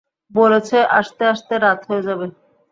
বলেছে আসতে আসতে রাত হয়ে যাবে।